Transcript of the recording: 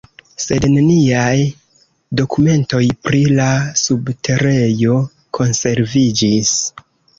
Sed neniaj dokumentoj pri la subterejo konserviĝis.